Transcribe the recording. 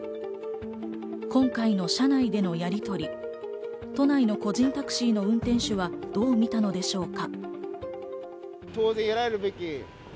今回の車内でのやりとり、都内の個人タクシーの運転手はどう見たのでしょうか。